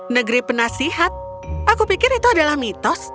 negeri penasihat aku pikir itu adalah mitos